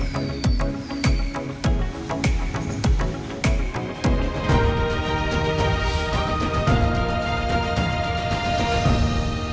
berbagian dari berbagai jenis burung